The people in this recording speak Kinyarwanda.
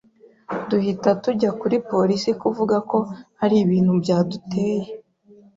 duhita tujya kuri polisi kuvuga ko hari ibintu byaduteye